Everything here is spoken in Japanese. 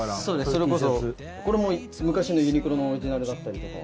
それこそこれも昔のユニクロのオリジナルだったりとか。